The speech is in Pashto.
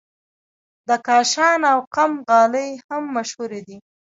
د کاشان او قم غالۍ هم مشهورې دي.